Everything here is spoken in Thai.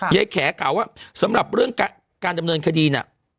ไทยแขวก็เอาว่าสำหรับเรื่องการดำเนินคดีเนี่ย